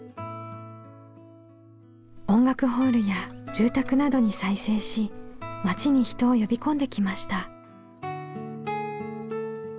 音楽ホールや住宅などに再生し町に人を呼び込んできました。